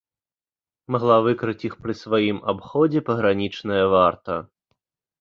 Магла выкрыць іх пры сваім абходзе пагранічная варта.